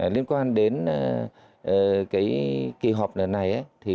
liên quan đến kỳ họp này